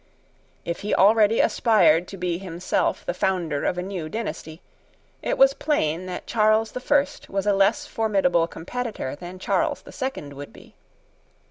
If he already aspired to be himself the founder of a new dynasty, it was plain that Charles the First was a less formidable competitor than Charles the Second would be.